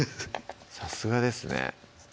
さすがですね